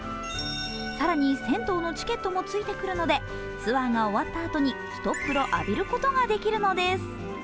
更に銭湯のチケットもついてくるのでツアーが終わったあとにひとっ風呂浴びることができるのです。